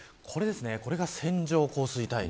これが線状降水帯。